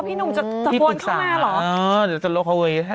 อ๋อพี่หนุ่มจะจะพวนเข้ามาเหรอพี่ปรึกษาเออเดี๋ยวจะลงเข้าไว้